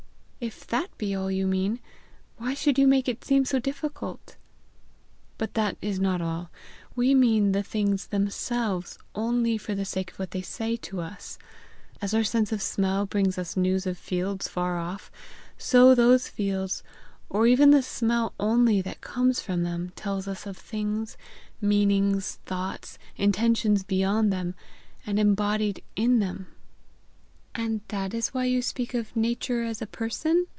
"If that be all you mean, why should you make it seem so difficult?" "But that is not all. We mean the things themselves only for the sake of what they say to us. As our sense of smell brings us news of fields far off, so those fields, or even the smell only that comes from them, tell us of things, meanings, thoughts, intentions beyond them, and embodied in them." "And that is why you speak of Nature as a person?"